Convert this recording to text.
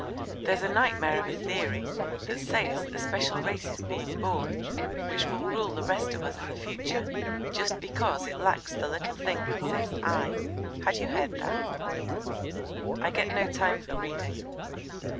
There's a nightmare of a theory that says a special race is being born which will rule the rest of us in the future just because it lacks the little thing that says 'I.' Had you heard that?" "I get no time for reading."